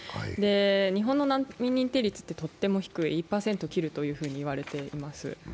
日本の難民認定率はとっても低い、１％切ると言われています。